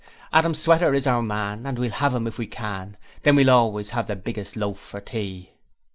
Adam Sweater is our man, And we'll have him if we can, Then we'll always have the biggest loaf for tea.'